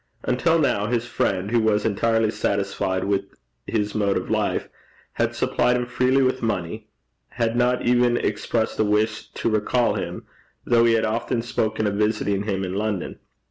Until now, his friend, who was entirely satisfied with his mode of life, and supplied him freely with money, had not even expressed a wish to recall him, though he had often spoken of visiting him in London.